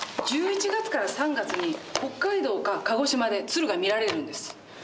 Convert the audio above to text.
１１月から３月に北海道か鹿児島で鶴が見られるんです。